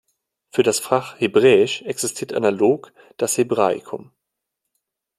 Für das Fach Hebräisch existiert analog das Hebraicum.